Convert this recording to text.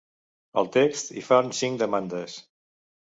Al text, hi fan cinc demandes.